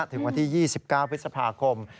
ถึงวันที่๒๙พฤษภาคม